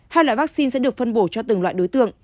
hai loại vaccine sẽ được phân bổ cho từng loại đối tượng